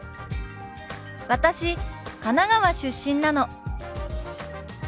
「私神奈川出身なの」。